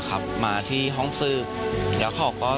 รถแสงทางหน้า